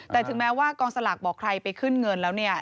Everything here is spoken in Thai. แต่ถึงแม้ว่ากองสลากบอกใครไปขึ้นเงินแล้วเนี่ย